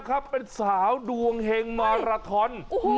เธอเป็นสาวดวงเห็งมาราทอน